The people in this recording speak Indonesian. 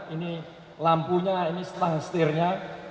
ini lampunya ini setelah setirnya